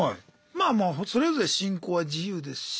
まあまあそれぞれ信仰は自由ですし。